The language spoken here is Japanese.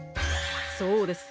そうです。